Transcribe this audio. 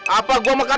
apa gua makadar